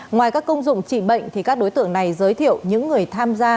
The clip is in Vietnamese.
ngoài các công dụng trị bệnh thì các đối tượng này giới thiệu những người tham gia